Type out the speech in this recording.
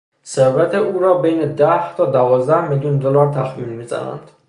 ثروت او را بین ده تا دوازده میلیون دلار تخمین میزنند.